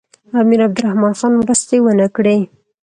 امیر عبدالرحمن خان مرستې ونه کړې.